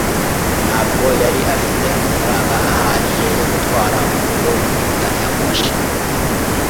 ntabwo yari afite amafaranga ahagije yo gutwara murugo muri gari ya moshi